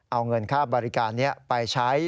เอาเงินค่าบริการนี้ไปใช้